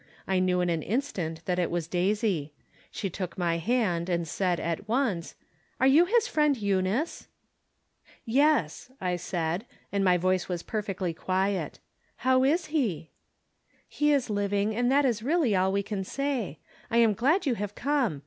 I knew in an instant that it was Daisy. She took my hand and said, at once :" Are you his friend Eunice ?" "Yes," I said, and my voice was perfeclly quiet. " How is he ?"" He is living, and that is really all we can say. I am glad you have come.